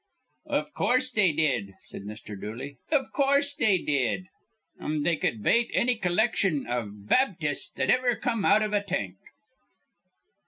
"Iv coorse, they did," said Mr. Dooley. "Iv coorse, they did. An' they cud bate anny collection iv Baptists that iver come out iv a tank."